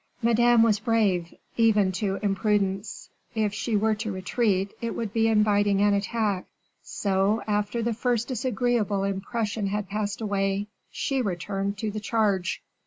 Madame was brave, even to imprudence; if she were to retreat, it would be inviting an attack; so, after the first disagreeable impression had passed away, she returned to the charge.